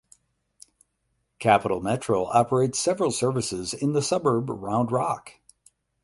Capital Metro operates several services in the suburb Round Rock.